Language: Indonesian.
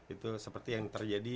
itu seperti yang terjadi